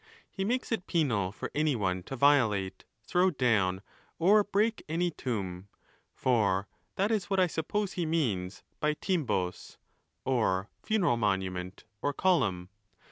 He makes it penal for any one to violate, throw down, or break any tomb, for that is what I suppose he. means: by 7UpBoc, or Hecaneal monument or column.